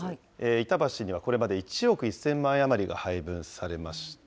板橋にはこれまで１億１０００万円余りが配分されました。